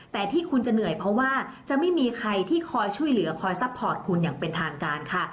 แต่ที่คุณจะเหนื่อยเพราะว่าจะไม่มีใครที่คอยช่วยเหลือคอยซัพพอร์ตคุณอย่างเป็นทางการค่ะ